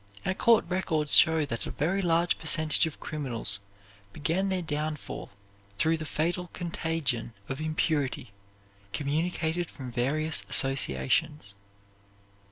Our court records show that a very large percentage of criminals began their downfall through the fatal contagion of impurity communicated from various associations.